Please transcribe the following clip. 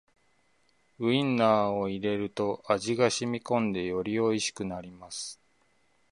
ウインナーを入れると味がしみこんでよりおいしくなります